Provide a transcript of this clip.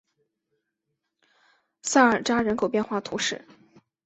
萨尔扎人口变化图示